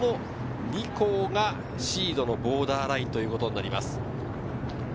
２校がシードのボーダーラインとなります。